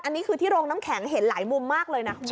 อันนี้คือที่โรงน้ำแข็งเห็นหลายมุมมากเลยนะคุณผู้ชม